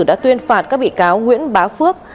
đã tuyên phạt các bị cáo nguyễn bá phước